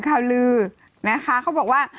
ข่าวลือนะคะเขาบอกว่า